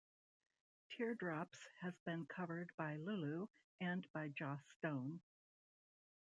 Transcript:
"Teardrops" has been covered by Lulu and by Joss Stone.